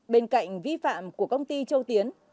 bên cạnh vi phạm của công ty châu tiến